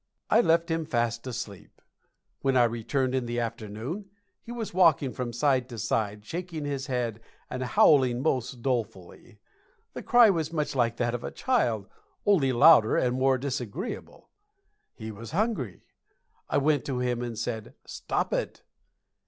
I left him fast asleep. When I returned in the afternoon he was walking from side to side, shaking his head, and howling most dolefully. The cry was much like that of a child, only louder and more disagreeable. He was hungry. I went to him and I said, "Stop it."